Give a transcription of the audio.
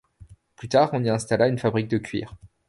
Plus tard on y installa une fabrique de cuir.